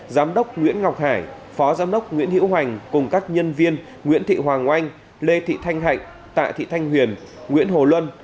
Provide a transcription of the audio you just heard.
giám đốc nguyễn ngọc hải phó giám đốc nguyễn hữu hoành cùng các nhân viên nguyễn thị hoàng oanh lê thị thanh hạnh tạ thị thanh huyền nguyễn hồ luân